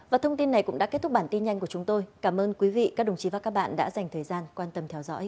và thông tin này cũng đã kết thúc bản tin nhanh của chúng tôi cảm ơn quý vị các đồng chí và các bạn đã dành thời gian quan tâm theo dõi